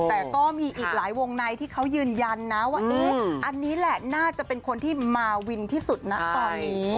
แต่ก็มีอีกหลายวงในที่เขายืนยันนะว่าเอ๊ะอันนี้แหละน่าจะเป็นคนที่มาวินที่สุดนะตอนนี้